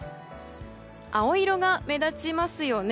青色が目立ちますよね。